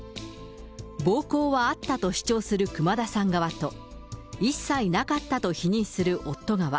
暴行はあったと主張する熊田さん側と、一切なかったと否認する夫側。